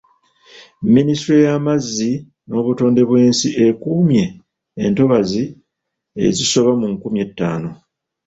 Ministule y'amazzi n'obutonde bw'ensi ekuumye entobazi ezisoba mu nkumi ettaano.